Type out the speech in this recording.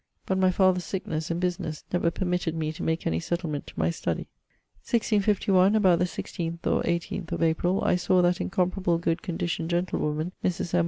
But my father's sicknesse, and businesse, never permitted me to make any settlement to my studie. 1651: about the 16 or 18 of April, I sawe that incomparable good conditioned gentlewoman, Mris M.